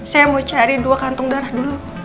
saya mau cari dua kantung darah dulu